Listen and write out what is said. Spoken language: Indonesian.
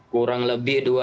kurang lebih dua tahun ya